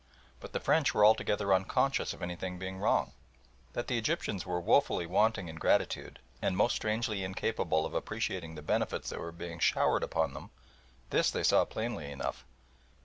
But the French were altogether unconscious of anything being wrong. That the Egyptians were woefully wanting in gratitude, and most strangely incapable of appreciating the benefits that were being showered upon them this they saw plain enough.